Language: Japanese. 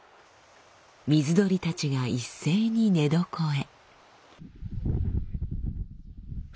水鳥たちが一斉に寝床へ。